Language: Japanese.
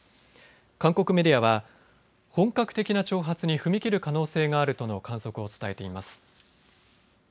韓国メディアは本格的な挑発に踏み切る可能性があるとの観測を伝えています。